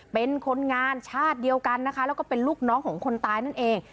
เป็นคนงานชาติเดียวกันนะคะแล้วก็เป็นลูกน้องของคนตายนั่นเอง